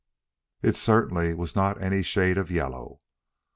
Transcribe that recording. It certainly was not any shade of yellow.